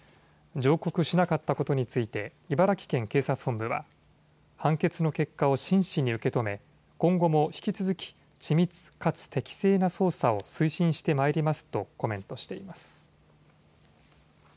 上告しなかったことについて茨城県警察本部は判決の結果を真摯に受け止め今後も引き続き緻密、かつ適正な捜査を推進してまいりますとコメントしています。